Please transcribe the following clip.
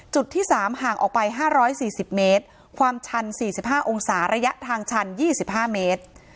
จุดที่๓ห่างออกไป๕๔๐เมตรความชัน๔๕องศาระยะทางชัน๒๕เมตร